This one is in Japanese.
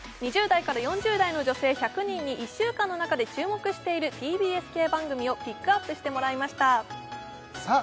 ２０代から４０代の女性１００人に１週間の中で注目しているＴＢＳ系番組をピックアップしてもらいましたさあ